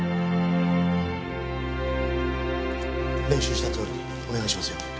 練習したとおりにお願いしますよ。